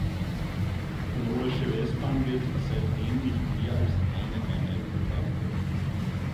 Die Hannoversche Westbahn wird seitdem nicht mehr als eine Einheit betrachtet.